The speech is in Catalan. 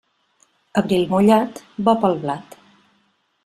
Abril mullat, bo pel blat.